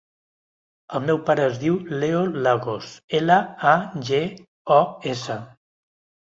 El meu pare es diu Leo Lagos: ela, a, ge, o, essa.